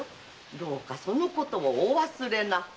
どうかそのことをお忘れなく。